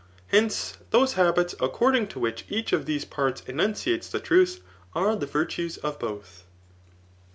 Hence, those habits according to which each of these parts enunciates the truth are the virtues of both.